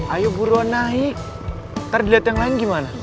ayo buruan naik ntar diliat yang lain gimana